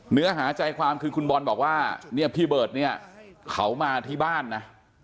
เนื้อหาใจความคือคุณบอลบอกว่าเนี่ยพี่เบิร์ตเนี่ยเขามาที่บ้านนะ